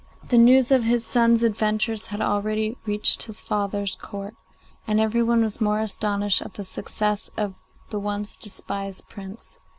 The news of his son's adventures had already reached his father's Court, and everyone was more than astonished at the success of the once despised Prince.